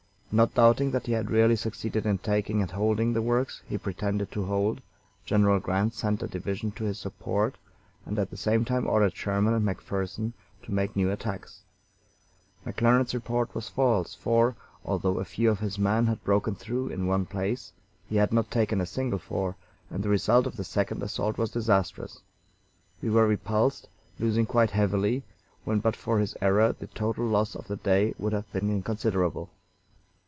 Not doubting that he had really succeeded in taking and holding the works he pretended to hold, General Grant sent a division to his support, and at the same time ordered Sherman and McPherson to make new attacks. McClernand's report was false, for, although a few of his men had broken through in one place, he had not taken a single fort, and the result of the second assault was disastrous. We were repulsed, losing quite heavily, when but for his error the total loss of the day would have been inconsiderable.